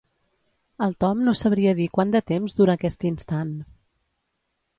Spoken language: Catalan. El Tom no sabria dir quant de temps dura aquest instant.